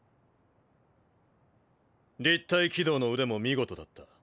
立体機動の腕も見事だった。